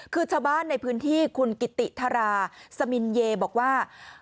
คือชาวบ้านในพื้นที่คุณกิติธาราสมินเยบอกว่า